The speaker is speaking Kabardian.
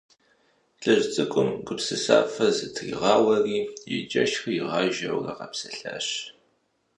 ЛӀыжь цӀыкӀум гупсысафэ зытригъауэри, и джэшхэр игъажэурэ къэпсэлъащ.